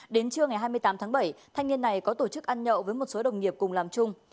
đến trưa ngày hai mươi tám tháng bảy thanh niên này có tổ chức ăn nhậu với một số đồng nghiệp cùng làm chung